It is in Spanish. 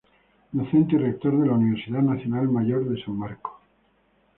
Docente y Rector de la Universidad Nacional Mayor de San Marcos.